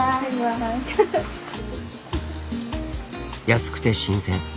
安くて新鮮。